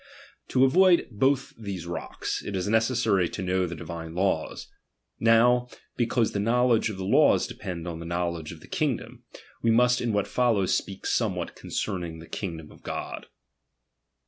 To avoid both these rocks, it is necessary to know the divine laws. Now because the knowledge of the laws depends on the knowledge of the king dom, we must in what follows speak somewhat concerning the kivgdom of God.